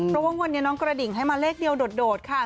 เพราะว่าวันนี้น้องกระดิ่งให้มาเลขเดียวโดดค่ะ